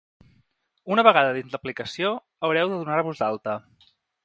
Una vegada dins l’aplicació, haureu de donar-vos d’alta.